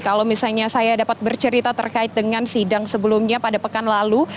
kalau misalnya saya dapat bercerita terkait dengan sidang sebelumnya pada pekan lalu